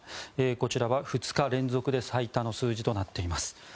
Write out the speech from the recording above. こちらは２日連続で最多の数字となっています。